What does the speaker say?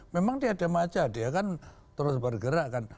memang dia ada masalah dia kan terus bergerak kan